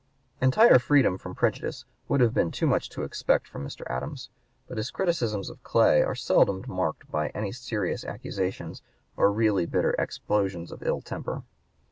Entire freedom from prejudice would have been too much to expect (p. 153) from Mr. Adams; but his criticisms of Clay are seldom marked by any serious accusations or really bitter explosions of ill temper.